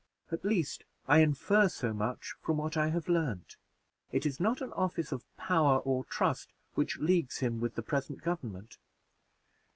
At least I infer so much from what I have learned. It is not an office of power or trust which leagues him with the present government."